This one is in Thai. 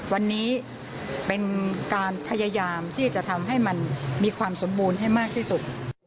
วันนี้เป็นการพยายามที่จะทำให้มันมีความสมบูรณ์ให้มากที่สุด